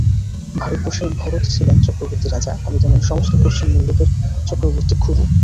ভারতবর্ষে ভরত ছিলেন চক্রবর্তী রাজা, আমি তেমনি সমস্ত পশ্চিম-মুল্লুকের চক্রবর্তী-খুড়ো।